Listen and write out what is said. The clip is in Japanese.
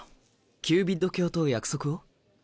キュービッド卿と約束を？